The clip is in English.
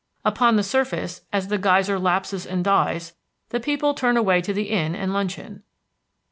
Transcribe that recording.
Upon the surface, as the geyser lapses and dies, the people turn away to the Inn and luncheon.